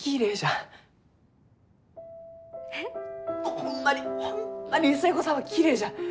ホンマにホンマに寿恵子さんはきれいじゃ。